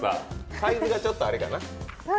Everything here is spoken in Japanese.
サイズがちょっとあれかな？